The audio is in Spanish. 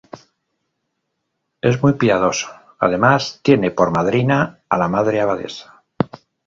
es muy piadoso... además tiene por madrina a la Madre Abadesa.